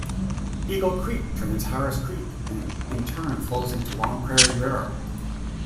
Eagle Creek drains Harris Creek, and in turn flows into Long Prairie River.